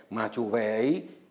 mà chủ đề ấy